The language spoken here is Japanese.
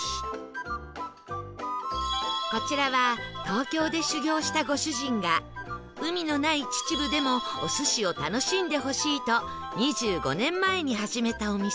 こちらは東京で修業したご主人が海のない秩父でもお寿司を楽しんでほしいと２５年前に始めたお店